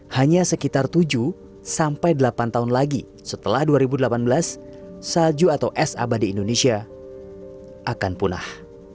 hanya sekitar tujuh sampai delapan tahun lagi setelah dua ribu delapan belas salju atau es abadi indonesia akan punah